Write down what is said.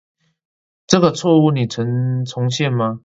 這個錯誤你能重現嗎